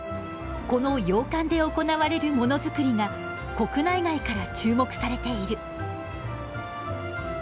この洋館で行われるモノづくりが国内外から注目されている。